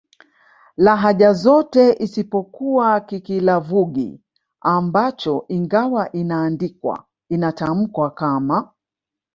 lahaja zote isipokuwa Kikilavwugi ambacho ingawa inaandikwa inatamkwa kama